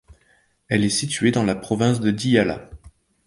Elle est située dans la province de Diyala.